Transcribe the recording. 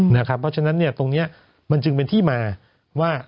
เพราะฉะนั้นตรงนี้มันจึงเป็นที่มาว่า